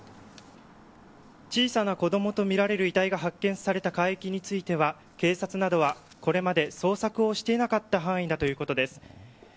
小さな子供とみられる遺体が発見された海域については警察などはこれまで捜索をしていなかった範囲だということです。